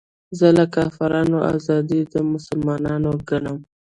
زه له کافرانو ازادي د مسلمان ګټم